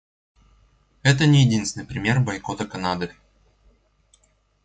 Это не единственный пример бойкота Канады.